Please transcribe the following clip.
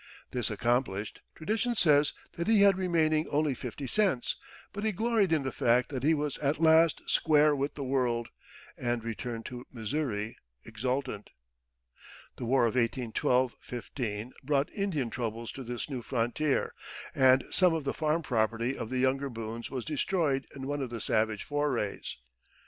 This accomplished, tradition says that he had remaining only fifty cents; but he gloried in the fact that he was at last "square with the world," and returned to Missouri exultant. The War of 1812 15 brought Indian troubles to this new frontier, and some of the farm property of the younger Boones was destroyed in one of the savage forays.